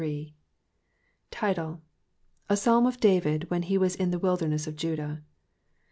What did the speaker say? TiTLB. — ^A Psalm of David, when he was in the wilderness of Judah.